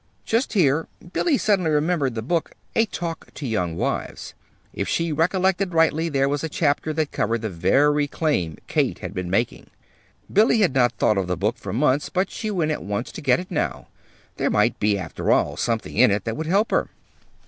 Just here Billy suddenly remembered the book, "A Talk to Young Wives." If she recollected rightly, there was a chapter that covered the very claim Kate had been making. Billy had not thought of the book for months, but she went at once to get it now. There might be, after all, something in it that would help her.